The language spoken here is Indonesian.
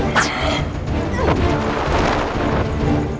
aku akan berjaga ke depan